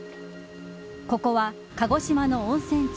ここは、鹿児島の温泉地